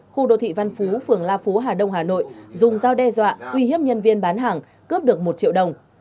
khu đô thị văn phú phường la phú hà đông hà nội dùng dao đe dọa uy hiếp nhân viên bán hàng cướp được một triệu đồng